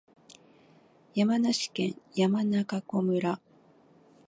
山梨県山中湖村